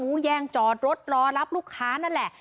แย่งจอดรถรอรับลูกค้านั่นแหละ